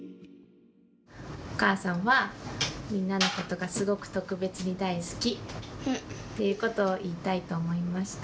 お母さんはみんなのことがすごく特別に大好きっていうことを言いたいと思いました。